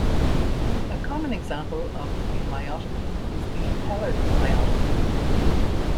A common example of a myotomy is the Heller myotomy.